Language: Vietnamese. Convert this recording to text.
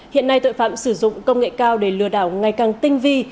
hiện nay tội phạm sử dụng công nghệ cao để lừa đảo ngày càng tinh vi